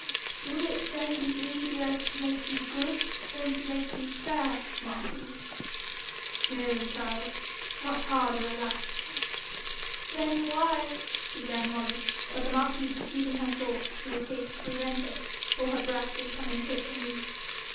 'Would it then be easier to make thee good than to make thee spare, marquis?' 'No, child much harder, alas!' 'Then why ?' began Molly; but the marquis perceiving her thought, made haste to prevent it, for her breath was coming quick and weak.